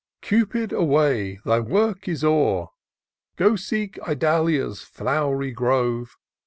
Cupid, away! thy work is o'er; Go seek Idalia's flow'ry grove!